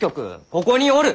ここにおる！